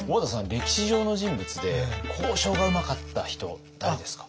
歴史上の人物で交渉がうまかった人誰ですか？